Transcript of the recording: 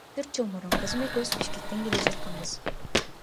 Төрт жыл мурун кызым экөөбүз Бишкектен келе жатканбыз.